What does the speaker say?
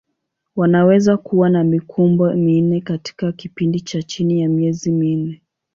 Wanaweza kuwa na mikumbo minne katika kipindi cha chini ya miezi minne.